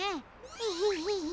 エヘヘヘ。